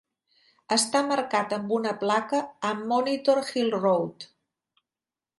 Està marcat amb una placa a Monitor Hill Road.